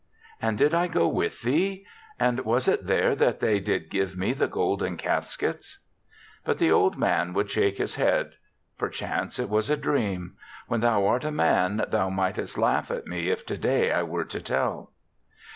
"And did I go with thee? And was it there that they did give me the golden caskets?" But the old man would shake his head. " Perchance it was a dream. When thou art a man thou mightest laugh at me if to day I were to tell."